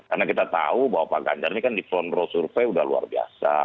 karena kita tahu bahwa pak ganjar ini kan di front row survey udah luar biasa